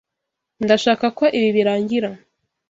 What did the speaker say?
Ndashaka ko ibi birangira.